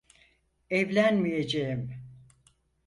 Evlenmeyeceğim.